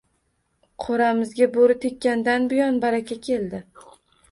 Qo`ramizga bo`ri tekkandan buyon baraka keldi